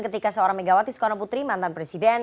ketika seorang megawati soekarno putri mantan presiden